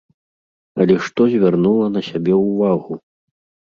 Але што звярнула на сябе ўвагу?